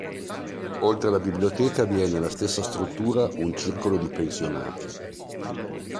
Oltre alla biblioteca vi è nella stessa struttura un circolo di pensionati.